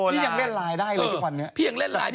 พี่ยังเล่นไลน์ได้เลยทุกวันนี้